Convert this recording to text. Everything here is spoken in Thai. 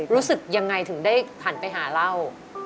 รู้สึกยังไงถึงได้หันไปหาเหล้า